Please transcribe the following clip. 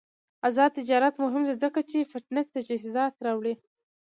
آزاد تجارت مهم دی ځکه چې فټنس تجهیزات راوړي.